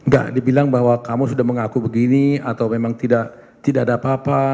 gak dibilang bahwa kamu sudah mengaku begini atau memang tidak ada apa apa